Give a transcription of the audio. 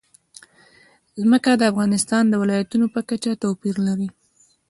ځمکه د افغانستان د ولایاتو په کچه توپیر لري.